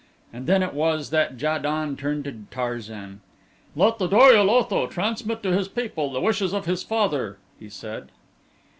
And then it was that Ja don turned to Tarzan. "Let the Dor ul Otho transmit to his people the wishes of his father," he said.